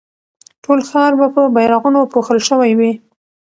ټول ښار به په بيرغونو پوښل شوی وي.